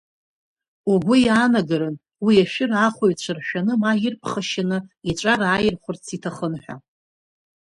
Угәы иаанагарын уи ашәыр аахәаҩцәа ршәаны ма ирԥхашьаны иҵәа рааирхәарц иҭахын ҳәа.